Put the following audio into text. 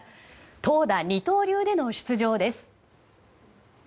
投打二刀流での出場です。